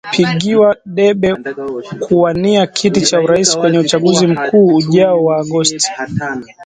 anazidi kupigiwa debe kuwania kiti cha urais kwenye uchaguzi mkuu ujao wa Agosti